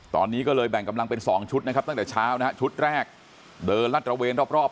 ตอนนี้ก็เลยแบ่งกำลังเป็น๒ชุดนะครับตั้งแต่เช้านะฮะชุดแรกเดินลัดระเวนรอบ